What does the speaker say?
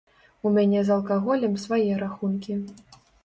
У мяне з алкаголем свае рахункі.